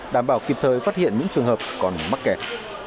để vào kịp thời phát hiện những trường hợp còn mắc kẹt